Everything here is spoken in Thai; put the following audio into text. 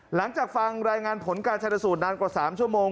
หลังจากฟังรายงานผลการชนสูตรนานกว่า๓ชั่วโมง